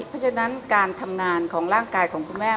เพราะฉะนั้นการทำงานของร่างกายของคุณแม่